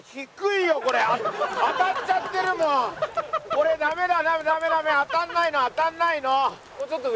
これダメだダメダメ当たんないの当たんないの！